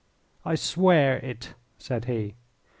"I swear it," said he.